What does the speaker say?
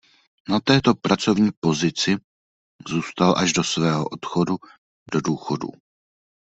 Na této pracovní pozici zůstal až do svého odchodu do důchodu.